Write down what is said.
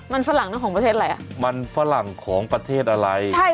มันฝรั่งนะของประเทศอะไรอ่ะมันฝรั่งของประเทศอะไรใช่